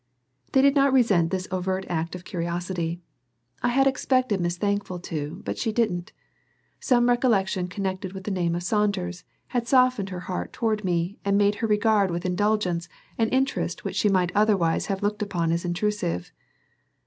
They did not resent this overt act of curiosity; I had expected Miss Thankful to, but she didn't. Some recollection connected with the name of Saunders had softened her heart toward me and made her regard with indulgence an interest which she might otherwise have looked upon as intrusive.